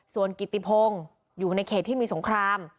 ส่วนกิติพงศ์อยู่ในเขตที่มีสงคราม